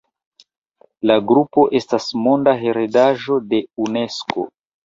La grupo estas Monda heredaĵo de Unesko.